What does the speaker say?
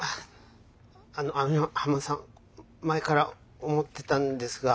あの網浜さん前から思ってたんですが。